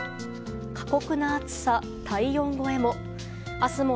過酷な暑さ、体温超えも。